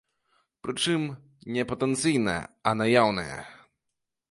Прычым не патэнцыйная, а наяўная.